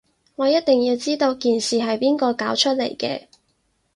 我一定要知道件事係邊個搞出嚟嘅